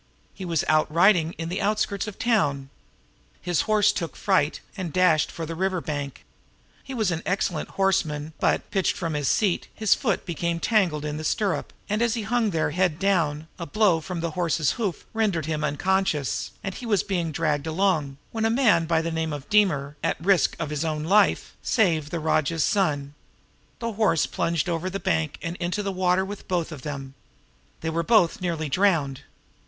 He was out riding in the outskirts of the city. His horse took fright and dashed for the river bank. He was an excellent horseman, but, pitched from his seat, his foot became tangled in the stirrup, and as he hung there head down, a blow from he horse's hoof rendered him unconscious, and he was being dragged along, when a man by the name of Deemer, at the risk of his own life, saved the rajah's son. The horse plunged over the bank and into the water with both of them. They were both nearly drowned.